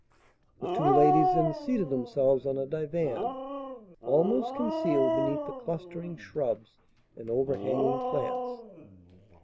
The two ladies then seated themselves on a divan, almost concealed beneath the clustering shrubs and overhanging plants.